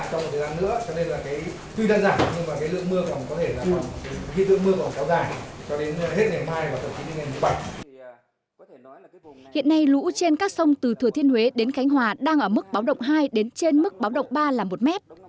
hiện nay lũ trên các sông từ thừa thiên huế đến khánh hòa đang ở mức báo động hai đến trên mức báo động ba là một mét